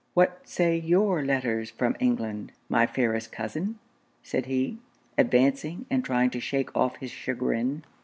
'What say your letters from England, my fairest cousin?' said he, advancing and trying to shake off his chagrin.